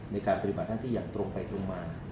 ในการปฏิบัติหน้าที่อย่างตรงไปตรงมา